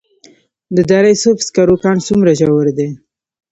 د دره صوف سکرو کان څومره ژور دی؟